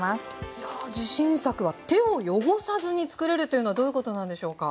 いや自信作は手を汚さずにつくれるというのはどういうことなんでしょうか？